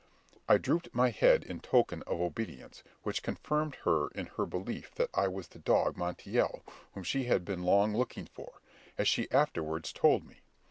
I drooped my head in token of obedience, which confirmed her in her belief that I was the dog Montiel whom she had been long looking for, as she afterwards told me.